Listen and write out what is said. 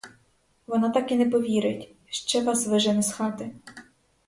Вона так і не повірить, ще вас вижене з хати!